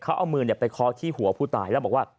เขาเอามือไปเคาะที่หัวผู้ตายแล้วบอกว่า